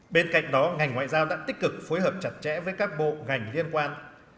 bên cạnh đó ngành ngoại giao đã tích cực phối hợp chặt chẽ với các bộ ngành liên quan